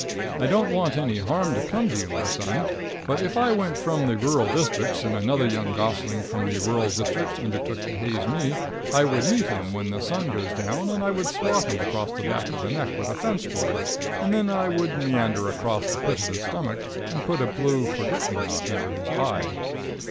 I don't want any harm to come to you, my son, but if I went from the rural districts and another young gosling from the rural districts undertook to haze me, I would meet him when the sun goes down, and I would swat him across the back of the neck with a fence board, and then I would meander across the pit of his stomach and put a blue forget me not under his eye.